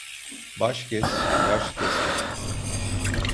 Baş kes, yaş kesme.